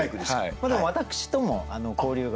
それで私とも交流が。